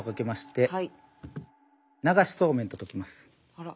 あら。